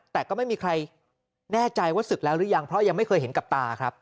แต่ก็ไม่มีใครแน่ใจว่าศึกแล้วหรือยังเพราะยังไม่เคยเห็นกับตาครับ